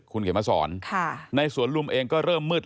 คุณเขียนมาสอนในสวนลุมเองก็เริ่มมืด